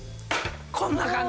こんな感じ。